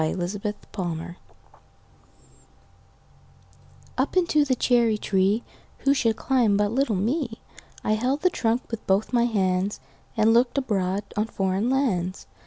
Foreign Lands UP into the cherry treeWho should climb but little me?I held the trunk with both my handsAnd looked abroad on foreign lands.